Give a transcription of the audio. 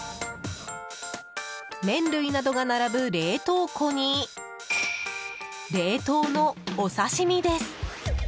麺類などが並ぶ冷凍庫に冷凍のお刺し身です。